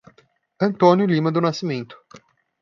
Antônio Lima do Nascimento